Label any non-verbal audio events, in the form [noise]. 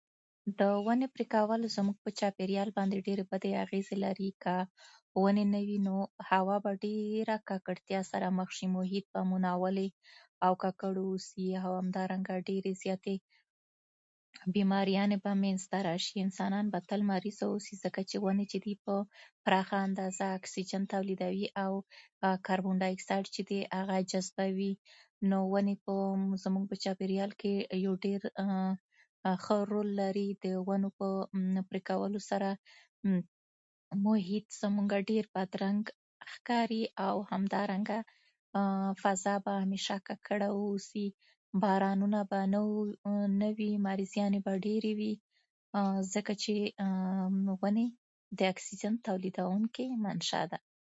د ونې پرېکول زموږ په چاپيريال باندې ډېرې بدې اغېزې لري. که ونې نه وي، نو هوا به ډېره ککړتیا سره مخ شي، محیط به مو ناولی او ککړ اوسي، او همدارنګه ډېرې زیاتې بيماريانې به منځته راشي. انسانان به تل مریضه اوسي، ځکه چې ونې چې دي، په پراخه اندازه اکسیجن توليدوي، او کاربن دای اکساید چې دی، هغه جذبوي. نو ونې په زموږ چاپيریال کې یو ډېر [hesitation] ښه رول لري. د ونو په پرېکولو سره محيط زموږه ډېر بدرنګ ښکاري، او همدارنګه فضا به همېشه ککړه واوسي. بارانونه به نه وو، نه وي. مریضیانې به ډېرې وي، ځکه چې ونې د اکسیجن تولیدونکې منشا ده.